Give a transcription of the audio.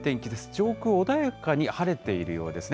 上空、穏やかに晴れているようですね。